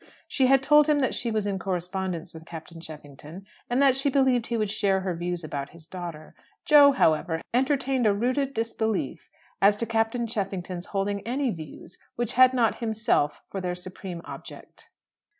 She had told him that she was in correspondence with Captain Cheffington, and that she believed he would share her views about his daughter. Jo, however, entertained a rooted disbelief as to Captain Cheffington's holding any "views" which had not himself for their supreme object.